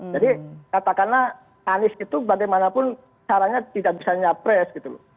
jadi katakanlah anis itu bagaimanapun caranya tidak bisa nyapres